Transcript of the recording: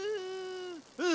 うん？